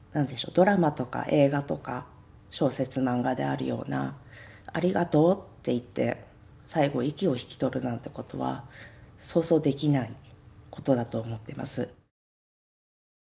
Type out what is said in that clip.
ドラマとか映画とか小説漫画であるような「ありがとう」って言って最後息を引き取るなんてことはそうそうできないことだと思ってます。